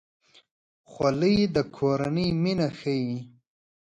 خولۍ د کورنۍ مینه ښيي.